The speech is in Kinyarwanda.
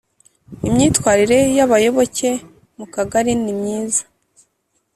imyitwarire y abayoboke mu Kagari nimyiza